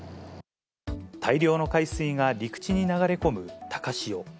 大量の海水が陸地に流れ込む高潮。